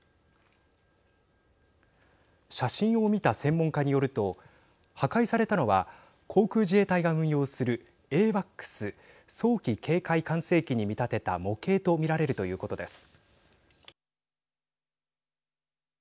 写真を見た専門家によると破壊されたのは航空自衛隊が運用するＡＷＡＣＳ早期警戒管制機に見立てた模型と見られるということです。